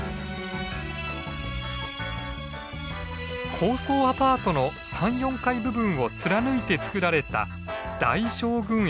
高層アパートの３４階部分を貫いて造られた大将軍駅。